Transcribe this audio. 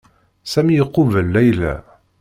Sami iqubel Layla.